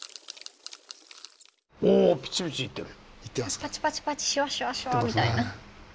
パチパチパチシュワシュワシュワみたいな。